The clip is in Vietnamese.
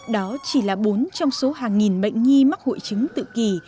đó chỉ là bốn trong số hàng nghìn bệnh nhi mắc hội chứng tự kỷ